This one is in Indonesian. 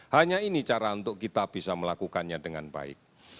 hanya ini cara untuk kita bisa melakukannya dengan baik